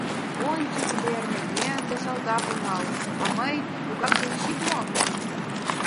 Ончо, Ямберде, ме ынде салтак онал, а мый... тугак денщик мо?